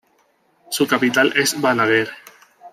Su capital es Balaguer.